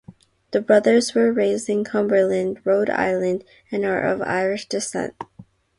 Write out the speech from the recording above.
The brothers were raised in Cumberland, Rhode Island and are of Irish descent.